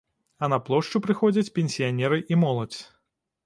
А на плошчу прыходзяць пенсіянеры і моладзь.